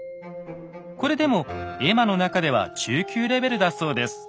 これでも絵馬の中では中級レベルだそうです。